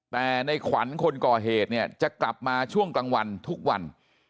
แต่ในขวัญคนก่อเหตุเนี่ยจะกลับมาช่วงกลางวันทุกวัน